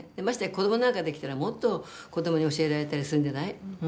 ましてや子どもなんかできたらもっと子どもに教えられたりするんじゃない？